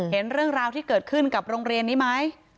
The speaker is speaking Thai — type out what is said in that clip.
เห็นเรื่องราวที่เกิดขึ้นกับโรงเรียนนี้ไหม